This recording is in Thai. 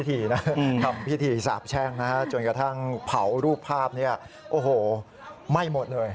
ทำพิธีสาบแช่งนะฮะจนกระทั่งเผารูปภาพเนี่ยโอ้โหไหม้หมดเลย